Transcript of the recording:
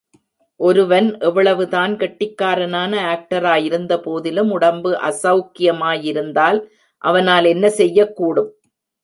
ஒருவன் எவ்வளவுதான் கெட்டிகாரனான ஆக்டராயிருந்த போதிலும், உடம்பு அசௌக்கியமாயிருந்தால் அவனால் என்ன செய்யக்கூடும்?